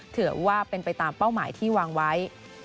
ถือว่าเป็นไปตามเป้าหมายที่วางไว้